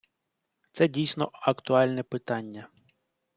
Це дійсно актуальне питання.